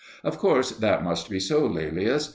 Of course that must be so, Laelius.